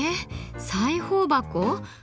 裁縫箱？